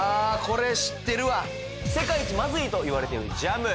これ知ってるわ世界一まずいといわれているジャム